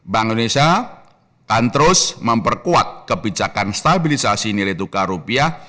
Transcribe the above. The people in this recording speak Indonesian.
bank indonesia akan terus memperkuat kebijakan stabilisasi nilai tukar rupiah